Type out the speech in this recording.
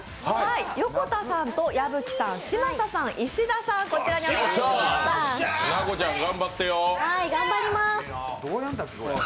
横田さんと矢吹さん、嶋佐さん、石田さん、こちらにお願いします。